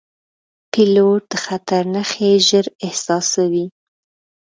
پیلوټ د خطر نښې ژر احساسوي.